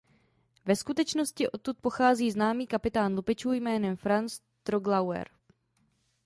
Ve skutečnosti odtud pochází známý kapitán lupičů jménem Franz Troglauer.